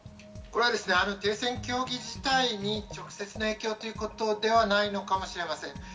これはですね、停戦協議自体に直接的な影響ということではないのかもしれません。